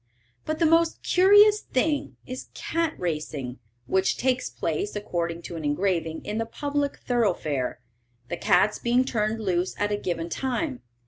But the most curious thing is cat racing, which takes place, according to an engraving, in the public thoroughfare, the cats being turned loose at a given time.